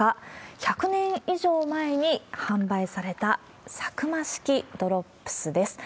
１００年以上前に販売されたサクマ式ドロップスです。